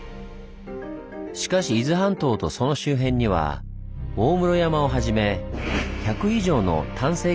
しかし伊豆半島とその周辺には大室山をはじめ１００以上の単成火山が密集しています。